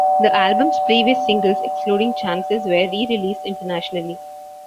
The album's previous singles - excluding "Chances" - were re-released internationally.